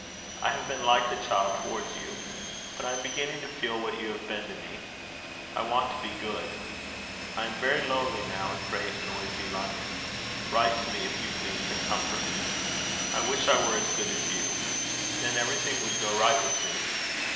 I have been like the child towards you; but I am beginning to feel what you have been to me. I want to be good. I am very lonely now in great noisy London. Write to me, if you please, and comfort me. I wish I were as good as you. Then everything would go right with me.